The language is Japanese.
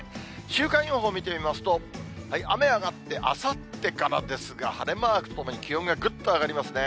週間予報見てみますと、雨上がって、あさってからですが、晴れマークとともに気温ぐっと上がりますね。